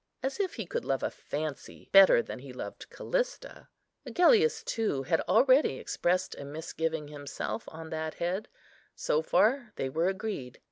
As if he could love a fancy better than he loved Callista! Agellius, too, had already expressed a misgiving himself on that head; so far they were agreed.